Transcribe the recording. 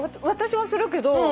私はするけど。